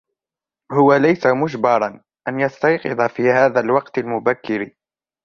هو ليس مجبرا أن يستيقظ في هذا الوقت المبكر.